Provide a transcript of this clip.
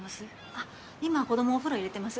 あっ今子供お風呂入れてます